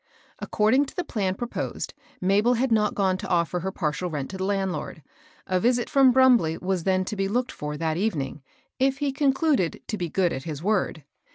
According to* the plan proposed, Mabel had not gone to offer her partial rent to the landlord; a visit from Brumbley was then to be looked for that evening, if he concluded to be good as his word.